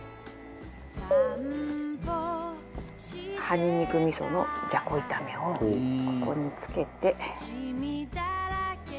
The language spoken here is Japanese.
葉ニンニク味噌のじゃこ炒めをここにつけて。